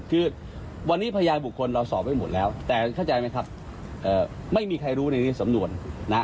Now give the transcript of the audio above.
คือวันนี้พยานบุคคลเราสอบไว้หมดแล้วแต่เข้าใจไหมครับไม่มีใครรู้ในสำนวนนะ